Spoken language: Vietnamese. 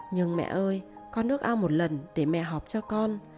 nhưng mẹ ơi con nước ao một lần để mẹ học cho con